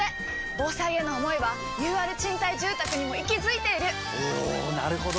防災への想いはＵＲ賃貸住宅にも息づいているおなるほど！